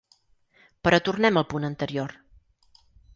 Però tornem al punt anterior.